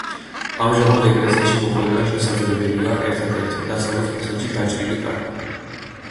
ამჟამად ეკლესიაში მოხვედრა შესაძლებელია ერთადერთი, დასავლეთ ფასადში გაჭრილი კარით.